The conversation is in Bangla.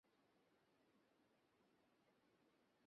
আমি আপনাদের আরজে সৌমি, আর আপনি শুনছেন চেন্নাই শো।